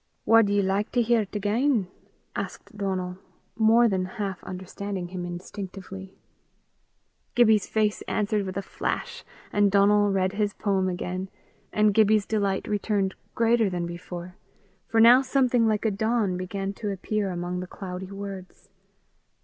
"Wad ye like to hear 't again?" asked Donal, more than half understanding him instinctively. Gibbie's face answered with a flash, and Donal read the poem again, and Gibbie's delight returned greater than before, for now something like a dawn began to appear among the cloudy words.